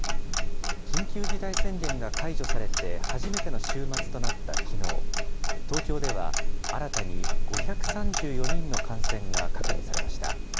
緊急事態宣言が解除されて初めての週末となったきのう、東京では、新たに５３４人の感染が確認されました。